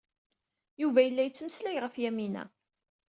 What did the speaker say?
Yuba yella yettmeslay ɣef Yamina.